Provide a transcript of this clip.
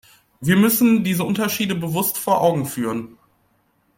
Wir müssen diese Unterschiede bewusst vor Augen führen.